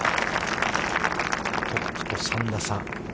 トップと３打差。